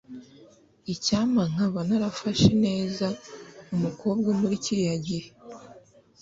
Icyampa nkaba narafashe neza umukobwa muri kiriya gihe